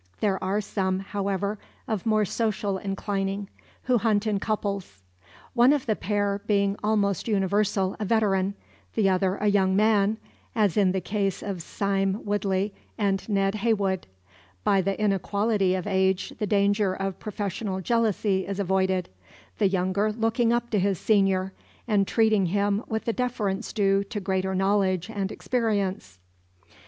There are some, however, of more social inclining, who hunt in couples; one of the pair being almost universal a veteran, the other a young man as in the case of Sime Woodley and Ned Heywood. By the inequality of age the danger of professional jealousy is avoided; the younger looking up to his senior, and treating him with the deference due to greater knowledge and experience.